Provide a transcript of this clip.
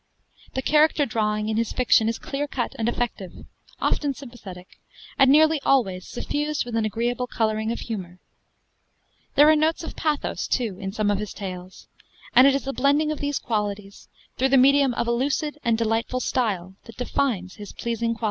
The character drawing in his fiction is clear cut and effective, often sympathetic, and nearly always suffused with an agreeable coloring of humor. There are notes of pathos, too, in some of his tales; and it is the blending of these qualities, through the medium of a lucid and delightful style, that defines his pleasing quality in prose.